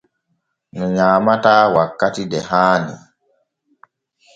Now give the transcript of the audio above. Ŋu nyaamataa wakkati de haani.